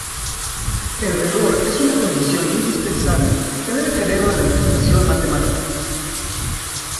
El rigor es una condición indispensable que debe tener una demostración matemática.